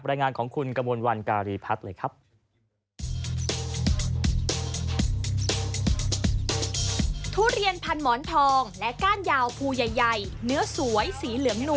บรรยายงานของคุณกมวลวันการีพัฒน์